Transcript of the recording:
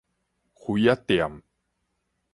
瓷仔店